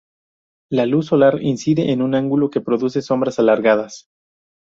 La luz solar incide en un ángulo que produce sombras alargadas.